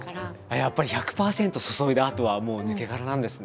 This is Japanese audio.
やっぱり１００％注いだあとはもう抜け殻なんですね。